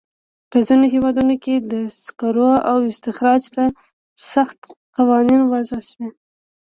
په ځینو هېوادونو کې د سکرو استخراج ته سخت قوانین وضع شوي.